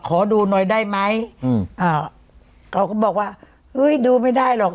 ขอดูหน่อยได้ไหมอืมอ่าเขาก็บอกว่าเฮ้ยดูไม่ได้หรอก